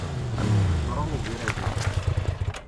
Yefreɣ ugrab-iw.